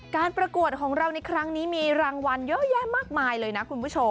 ประกวดของเราในครั้งนี้มีรางวัลเยอะแยะมากมายเลยนะคุณผู้ชม